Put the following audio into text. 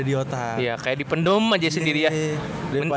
iya kayak dipendom aja sendiri ya